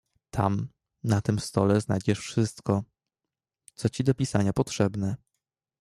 "Tam, na tym stole znajdziesz wszystko, co ci do pisania potrzebne."